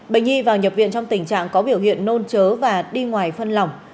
bệnh nhi vào nhập viện trong tình trạng có biểu hiện nôn chớ và đi ngoài phân lỏng